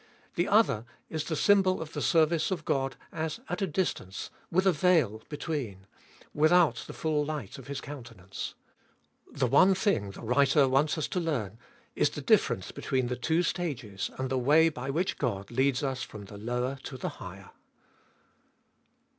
The other is the symbol of the 286 abe fjoliest ot ail service of God as at a distance with a veil between, without the full light of His countenance. The one thing the writer wants us to learn is the difference between the two stages, and the way by which God leads us from the lower to the higher.